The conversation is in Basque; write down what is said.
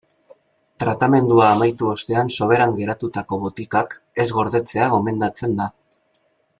Tratamendua amaitu ostean soberan geratutako botikak ez gordetzea gomendatzen da.